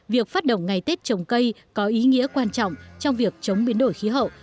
việc phát động ngày tết trồng cây có ý nghĩa quan trọng trong việc chống biến đổi khí hậu